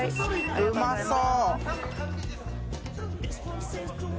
うまそう